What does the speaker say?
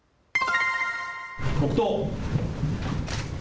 黙とう。